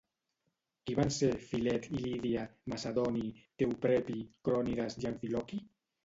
Qui van ser Filet i Lídia, Macedoni, Teoprepi, Crònides i Amfiloqui?